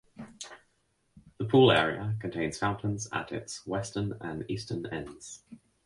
The pool area contains fountains at its western and eastern ends.